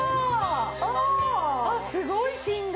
すごい振動！